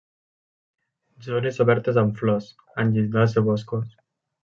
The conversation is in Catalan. Zones obertes amb flors, en llindars de boscos.